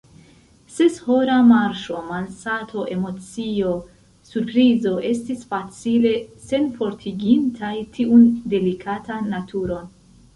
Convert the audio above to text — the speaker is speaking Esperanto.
Seshora marŝo, malsato, emocio, surprizo, estis facile senfortigintaj tiun delikatan naturon.